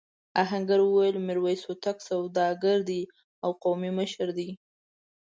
آهنګر وویل میرويس هوتک سوداګر دی او قومي مشر دی.